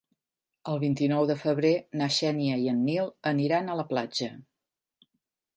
El vint-i-nou de febrer na Xènia i en Nil aniran a la platja.